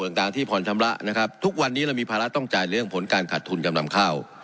ต่างต่างที่ผ่อนชำระนะครับทุกวันนี้เรามีภาระต้องจ่ายเรื่องผลการขาดทุนจำนำข้าว